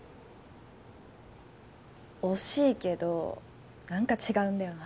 惜しいけどなんか違うんだよな。